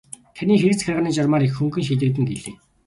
Таны хэрэг захиргааны журмаар их хөнгөн шийдэгдэнэ гэлээ.